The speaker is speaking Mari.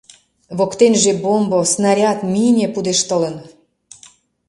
Воктенже бомбо, снаряд, мине пудештылын.